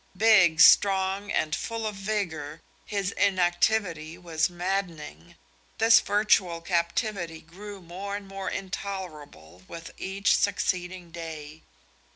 Big, strong and full of vigor, his inactivity was maddening; this virtual captivity grew more and more intolerable with each succeeding day.